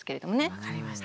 分かりました。